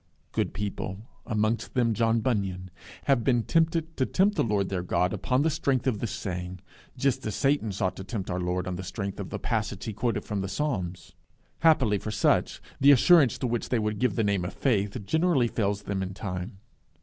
Good people, amongst them John Bunyan, have been tempted to tempt the Lord their God upon the strength of this saying, just as Satan sought to tempt our Lord on the strength of the passage he quoted from the Psalms. Happily for such, the assurance to which they would give the name of faith generally fails them in time.